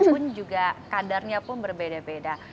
pun juga kadarnya pun berbeda beda